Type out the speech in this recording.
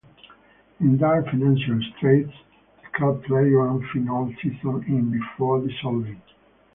In dire financial straits, the club played one final season in before dissolving.